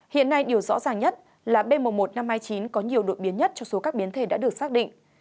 hiện nay điều rõ ràng nhất là b một một năm trăm hai mươi chín có nhiều đột biến nhất cho số các biến thể đã được xác định